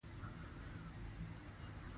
د ژبي پرمختګ د ملت پرمختګ دی.